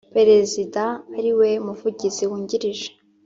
Perezida Ari We Muvugizi Wungirije